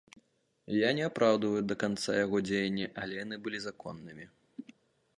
Я не апраўдваю да канца яго дзеянні, але яны былі законнымі.